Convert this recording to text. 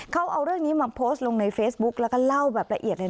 เขาเอาเรื่องนี้มาโพสต์ลงในเฟซบุ๊กแล้วก็เล่าแบบละเอียดเลย